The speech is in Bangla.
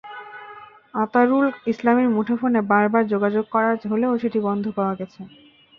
আতারুল ইসলামের মুঠোফোনে বারবার যোগাযোগ করা হলেও সেটি বন্ধ পাওয়া গেছে।